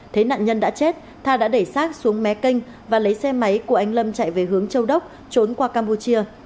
thấy nạn nhân đã chết tha đã đẩy sát xuống mé kênh và lấy xe máy của anh lâm chạy về hướng châu đốc trốn qua campuchia